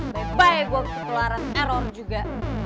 bye bye gua kekeluaran error juga